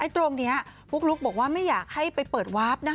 ตรงนี้ปุ๊กลุ๊กบอกว่าไม่อยากให้ไปเปิดวาร์ฟ